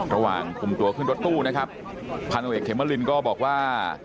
ระหว่างคุมตัวขึ้นรถตู้นะครับพันธุเอกเขมรินก็บอกว่า